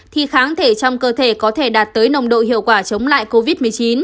thì kháng thể trong cơ thể có thể đạt tới nồng độ hiệu quả chống lại covid một mươi chín